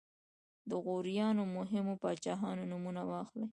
د غوریانو مهمو پاچاهانو نومونه واخلئ.